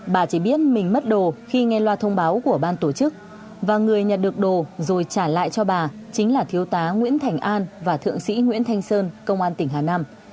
bà chỉ biết mình mất đồ khi nghe loa thông báo của ban tổ chức và người nhận được đồ rồi trả lại cho bà chính là thiếu tá nguyễn thành an và thượng sĩ nguyễn thanh sơn công an tỉnh hà nam